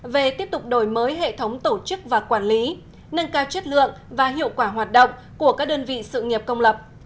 về tiếp tục đổi mới hệ thống tổ chức và quản lý nâng cao chất lượng và hiệu quả hoạt động của các đơn vị sự nghiệp công lập